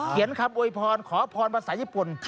เขียนคำโอยพรขอพรภาษาญี่ปุ่น